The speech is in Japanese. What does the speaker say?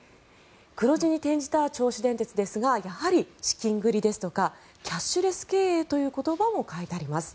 黒字に転じた銚子電鉄ですがやはり資金繰りですとかキャッシュレス経営というのも書いてあります。